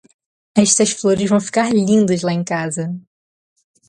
Estas flores vão ficar lindas lá em casa.